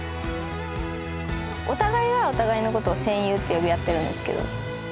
お互いがお互いのことを戦友って呼び合ってるんですけど。